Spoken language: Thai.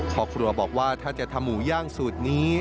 ครอบครัวบอกว่าถ้าจะทำหมูย่างสูตรนี้